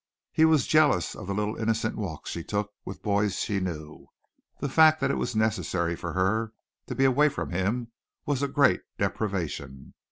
He was jealous of the little innocent walks she took with boys she knew. The fact that it was necessary for her to be away from him was a great deprivation.